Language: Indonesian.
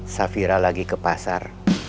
safira lagi ke pasar